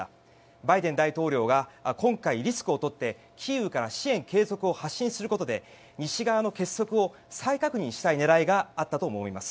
バイデン大統領が今回、リスクを取ってキーウから支援継続を発信することで西側の結束を再確認したい狙いがあったと思います。